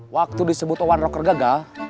waktu disebut one rocker gagal